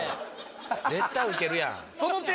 絶対ウケるやん。